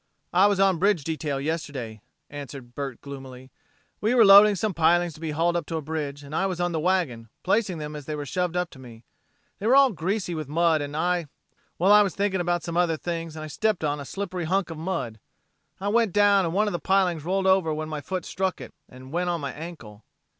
"I was on a bridge detail yesterday," answered Bert gloomily. "We were loading some pilings to be hauled up to a bridge, and I was on the wagon, placing them as they were shoved up to me. They were all greasy with mud, and I well, I was thinking about some other things, and I stepped on a slippery hunk of mud. I went down; then one of the pilings rolled over when my foot struck it, and went on my ankle."